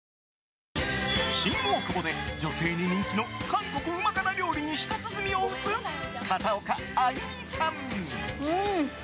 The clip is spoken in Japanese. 新大久保で女性に人気の韓国うま辛料理に舌鼓を打つ片岡安祐美さん。